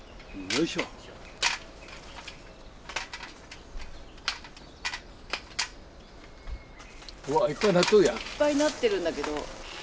いっぱいなってるんだけど。